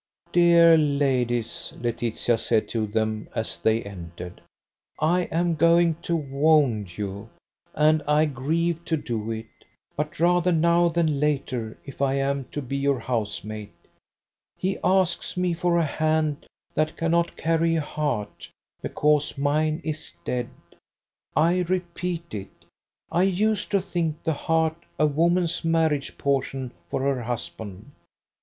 "Dear ladies," Laetitia said to them, as they entered. "I am going to wound you, and I grieve to do it: but rather now than later, if I am to be your housemate. He asks me for a hand that cannot carry a heart, because mine is dead. I repeat it. I used to think the heart a woman's marriage portion for her husband.